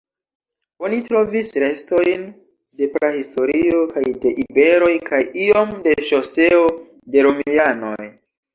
Oni trovis restojn de prahistorio kaj de iberoj kaj iom de ŝoseo de romianoj.